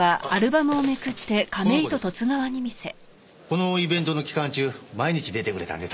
このイベントの期間中毎日出てくれたんで助かりました。